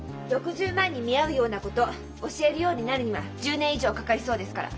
６０万に見合うようなこと教えるようになるには１０年以上かかりそうですから。